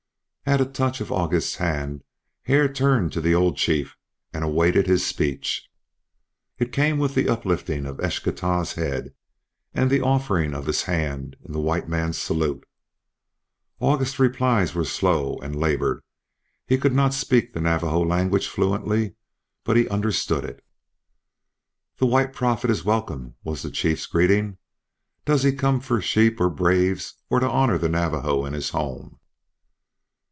At a touch of August's hand Hare turned to the old chief; and awaited his speech. It came with the uplifting of Eschtah's head, and the offering of his hand in the white man's salute. August's replies were slow and labored; he could not speak the Navajo language fluently, but he understood it. "The White Prophet is welcome," was the chief's greeting. "Does he come for sheep or braves or to honor the Navajo in his home?"